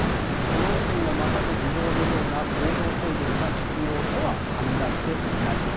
都道府県をまたぐ移動のような行動制限が必要とは考えていないと。